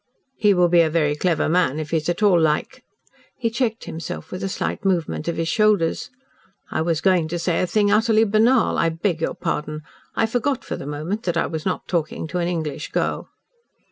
"He will be a very clever man if he is at all like " He checked himself with a slight movement of his shoulders. "I was going to say a thing utterly banal. I beg your pardon. I forgot for the moment that I was not talking to an English girl."